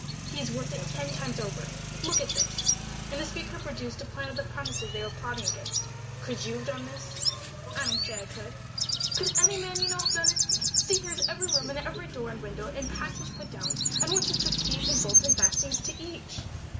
"He is worth it ten times over. Look at this," and the speaker produced a plan of the premises they were plotting against. "Could you have done this?" "I don't say I could." "Could any man you know have done it? See here is every room and every door and window and passage put down, and what sort of keys and bolts and fastenings to each."